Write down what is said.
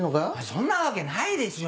そんなわけないでしょう。